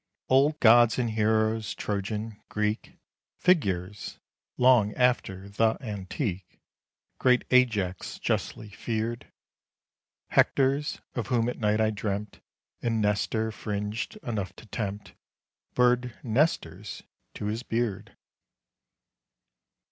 Old Gods and Heroes Trojan Greek, Figures long after the antique, Great Ajax justly feared; Hectors, of whom at night I dreamt, And Nestor, fringed enough to tempt Bird nesters to his beard.